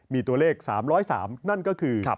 มีตัวเลข๓๐๓นั่นก็คือ